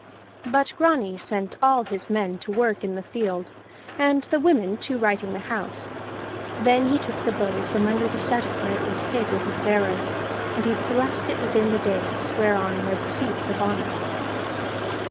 But Grani sent all his men to work in the field, and the women to righting the house; then he took the bow from under the settle where it was hid with its arrows, and he thrust it within the dais whereon were the seats of honor.